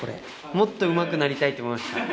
もっとうまくなりたいって思いました。